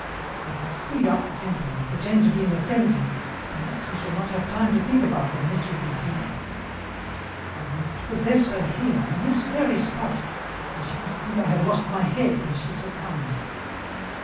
If I speed up the tempo and pretend to be in a frenzy perhaps we shall not have time to think about the miserable details. So I must possess her here, in this very spot, and she must think I have lost my head when she succumbs.